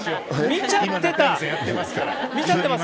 見ちゃってます？